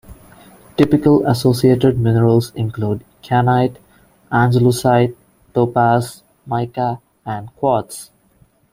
Typical associated minerals include: kyanite, andalusite, topaz, mica and quartz.